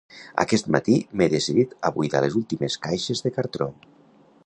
Aquest matí m’he decidit a buidar les últimes caixes de cartró.